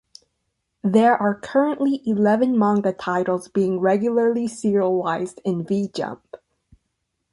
There are currently eleven manga titles being regularly serialized in "V Jump".